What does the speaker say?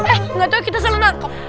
eh gak tau kita selalu nangkep